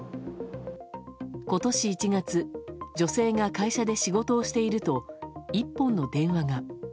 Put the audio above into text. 今年１月、女性が会社で仕事をしていると１本の電話が。